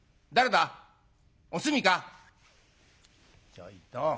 「ちょいと。